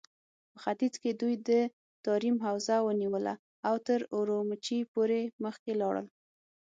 په ختيځ کې دوی د تاريم حوزه ونيوله او تر اورومچي پورې مخکې لاړل.